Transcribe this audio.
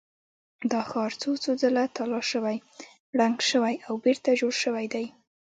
دا ښار څو څو ځله تالا شوی، ړنګ شوی او بېرته جوړ شوی دی.